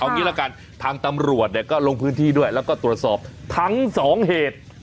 เอางี้ละกันทางตำรวจเนี่ยก็ลงพื้นที่ด้วยแล้วก็ตรวจสอบทั้งสองเหตุ